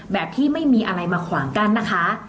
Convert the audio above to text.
แบบที่ไม่มีอะไรมาขวางกั้นนะคะ